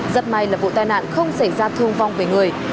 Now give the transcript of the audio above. rất may là vụ tai nạn không xảy ra thương vong về người